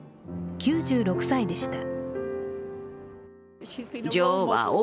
９６歳でした。